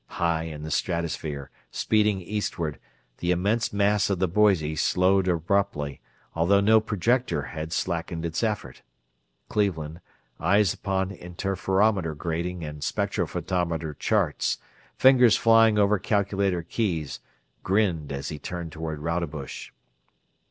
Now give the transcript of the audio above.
High in the stratosphere, speeding eastward, the immense mass of the Boise slowed abruptly, although no projector had slackened its effort. Cleveland, eyes upon interferometer grating and spectrophotometer charts, fingers flying over calculator keys, grinned as he turned toward Rodebush.